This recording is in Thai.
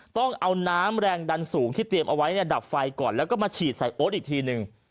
ต้องเอาน้ำแรงดันสูงที่เตรียมเอาไว้ดับไฟก่อนแล้วก็มาฉีดใส่โอ๊ตอีกทีหนึ่ง